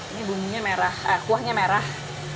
ini bumbunya merah kuahnya merah